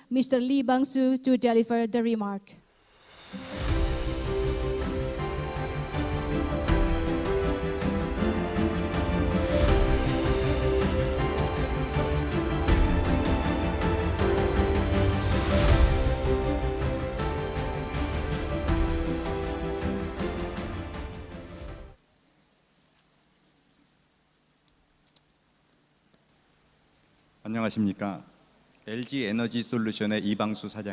mr lee bangsu untuk mengucapkan pembahasan